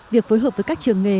việc phối hợp với các trường